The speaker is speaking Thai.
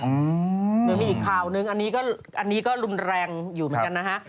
เดี๋ยวมีอีกคราวนึงอันนี้ก็ลุมแรงอยู่เหมือนกันนะฮะ